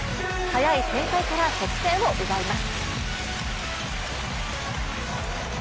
速い展開から得点を奪います。